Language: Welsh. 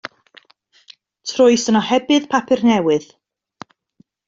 Troes yn ohebydd papur newydd.